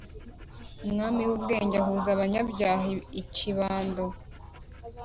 umwami w’ubwenge ahūza abanyabyaha ikibando,